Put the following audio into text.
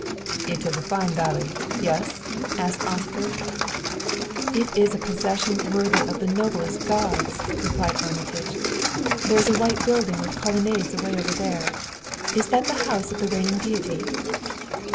"It is a fine valley yes?" asked Oscar. "It is a possession worthy of the noblest gods!" replied Armitage. "There is a white building with colonnades away over there is it the house of the reigning deity?"